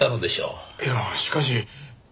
いやしかし。